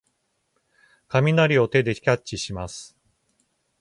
雷を手でキャッチします。